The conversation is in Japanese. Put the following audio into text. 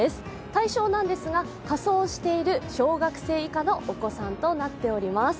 対象なんですが、仮装している小学生以下のお子さんとなっています。